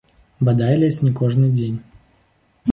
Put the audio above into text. Бадай ледзь не кожны дзень.